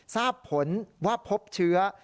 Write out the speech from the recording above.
ทราบผลว่าพบเชื้อ